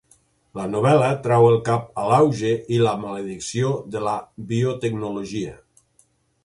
La novel·la treu el cap a l'auge i la maledicció de la biotecnologia.